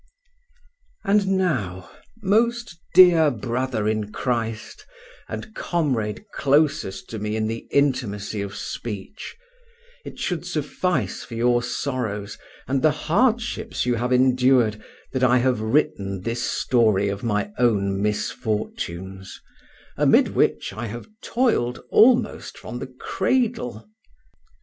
And now, most dear brother in Christ and comrade closest to me in the intimacy of speech, it should suffice for your sorrows and the hardships you have endured that I have written this story of my own misfortunes, amid which I have toiled almost from the cradle.